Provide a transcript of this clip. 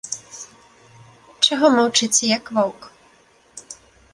Чаго маўчыце, як воўк?